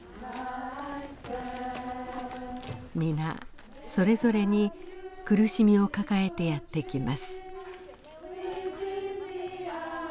皆それぞれに苦しみを抱えてやって来ます。